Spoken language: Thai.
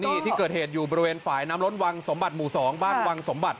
นี่ที่เกิดเหตุอยู่บริเวณฝ่ายน้ำล้นวังสมบัติหมู่๒บ้านวังสมบัติ